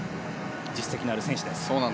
実績のある選手です。